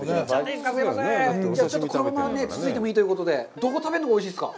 このままつついてもいいということで、どこを食べるのが、おいしいですか。